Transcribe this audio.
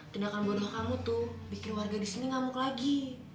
tindakan bodoh kamu tuh bikin warga di sini ngamuk lagi